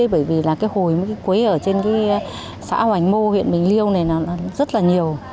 bởi vì là cái hồi cái quế ở trên xã hoành mô huyện bình liêu này rất là nhiều